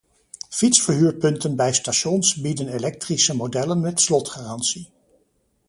Fietsverhuurpunten bij stations bieden elektrische modellen met slotgarantie.